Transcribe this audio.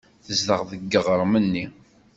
Tezdeɣ deg yiɣrem-nni.